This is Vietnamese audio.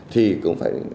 thì cũng phải